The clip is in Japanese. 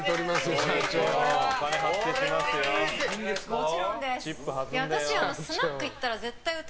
もちろんです。